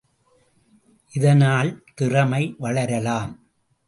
இதனால், திறமை வளரலாம்!